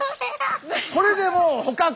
これでもう捕獲。